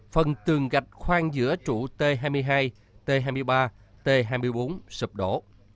phần tường gạch khoan giữa trụ t hai mươi hai t hai mươi ba t hai mươi bốn sụp đổ